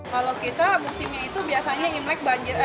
kalau kita musimnya itu biasanya imlek banjir aja